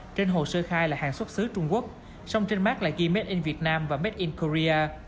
trên hồ sơ khai là hàng xuất xứ trung quốc song trên mạc lại ghi made in vietnam và made in korea